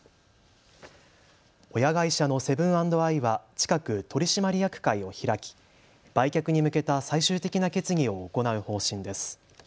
親会社のセブン＆アイは近く取締役会を開き、売却に向けた最終的な決議を行う方針です。